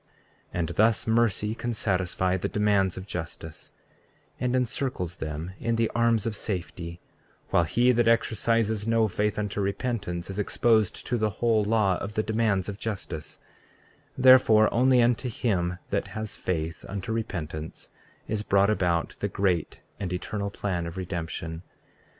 34:16 And thus mercy can satisfy the demands of justice, and encircles them in the arms of safety, while he that exercises no faith unto repentance is exposed to the whole law of the demands of justice; therefore only unto him that has faith unto repentance is brought about the great and eternal plan of redemption.